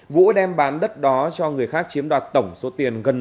vũ đem bán đất đó cho người khác chiếm đoạt tổng số tiền gần bốn triệu đồng